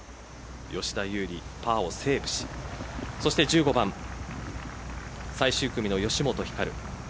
吉田優利、パーをセーブしそして１５番最終組の吉本ひかる。